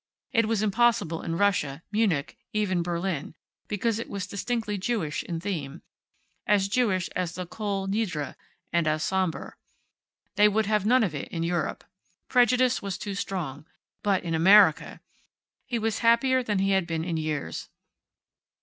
It was impossible in Russia, Munich, even Berlin, because it was distinctly Jewish in theme as Jewish as the Kol Nidre, and as somber. They would have none of it in Europe. Prejudice was too strong. But in America! He was happier than he had been in years.